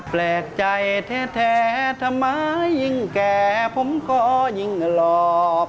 แปลกใจแท้ทำไมยิ่งแก่ผมก็ยิ่งหลอก